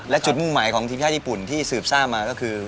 และจุดมุ่งหมายของทีมชาติญี่ปุ่นที่สืบทราบมาก็คือ